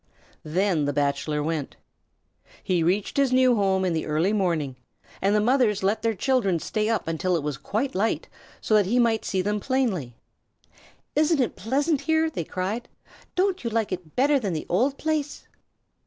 Then the Bachelor went. He reached his new home in the early morning, and the mothers let their children stay up until it was quite light so that he might see them plainly. "Isn't it pleasant here?" they cried. "Don't you like it better than the old place?"